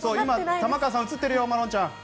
玉川さん、今映ってるよ、まろんちゃん。